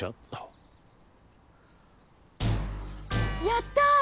やった！